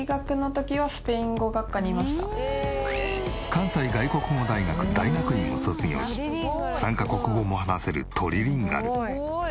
関西外国語大学大学院を卒業し３カ国語も話せるトリリンガル。